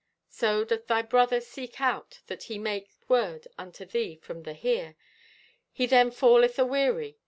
So, doth thy brother seek out that he make word unto thee from the Here, he then falleth aweary.